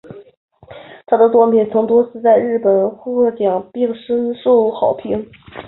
她的作品曾多次在日本获奖并深受好评。